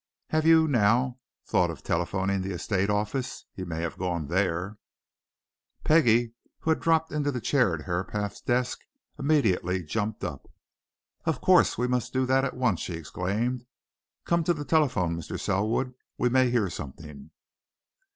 Have you, now, thought of telephoning to the estate office? He may have gone there." Peggie, who had dropped into the chair at Herapath's desk, immediately jumped up. "Of course we must do that at once!" she exclaimed. "Come to the telephone, Mr. Selwood we may hear something."